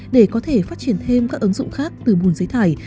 để có thể phát triển thêm các ứng dụng khác từ bùn giấy thải